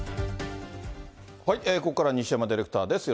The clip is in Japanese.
ここからは西山ディレクターです。